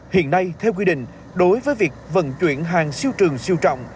hiện nay theo quy định đối với việc vận chuyển hàng siêu trường siêu trọng